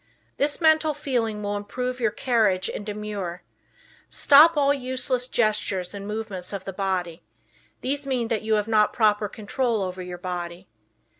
This mental feeling will improve your carriage and demeanor. Stop all useless gestures and movements of the body. These mean that you have not proper control over your body.